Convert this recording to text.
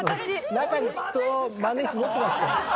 中にきっと万年筆持ってましたよ。